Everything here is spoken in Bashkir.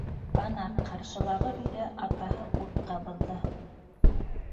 Ана, ҡаршылағы өйҙә атаһы ут ҡабыҙҙы.